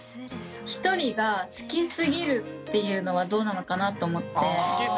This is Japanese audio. ひとりが好きすぎるっていうのはどうなのかなって思って。